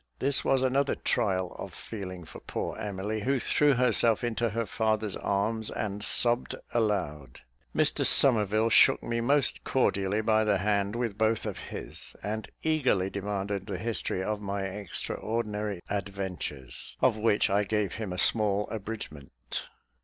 This was another trial of feeling for poor Emily, who threw herself into her father's arms, and sobbed aloud. Mr Somerville shook me most cordially by the hand with both of his, and eagerly demanded the history of my extraordinary adventures, of which I gave him a small abridgment.